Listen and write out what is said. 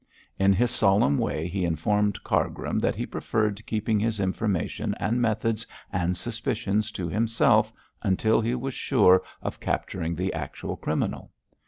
In his solemn way he informed Cargrim that he preferred keeping his information and methods and suspicions to himself until he was sure of capturing the actual criminal.